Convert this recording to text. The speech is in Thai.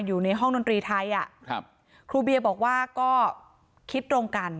อยู่ในห้องดนตรีไทยอ่ะครับครูเบียบอกว่าก็คิดตรงกัน